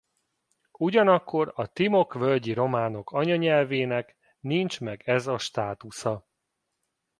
Ugyanakkor a timok-völgyi románok anyanyelvének nincs meg ez a státusza.